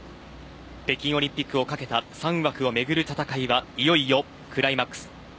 北京オリンピックを懸けた３枠を巡る戦いはいよいよクライマックス。